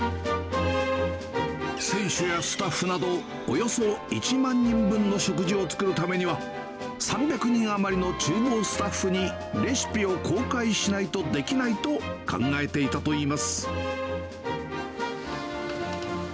選手やスタッフなどおよそ１万人分の食事を作るためには、３００人余りのちゅう房スタッフにレシピを公開しないとできないと考えていたといいます。